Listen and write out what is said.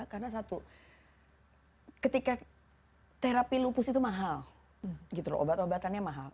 karena satu ketika terapi lupus itu mahal gitu loh obat obatannya mahal